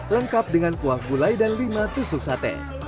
lengkap dengan kuah gulai dan lima tusuk sate